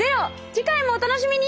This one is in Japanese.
次回もお楽しみに！